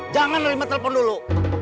jangan rimeh telpon dulu